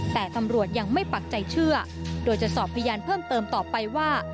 แต่ตำรวจยังไม่ปักใจเชื่อโดยจะสอบพยานเพิ่มเติมต่อไปว่า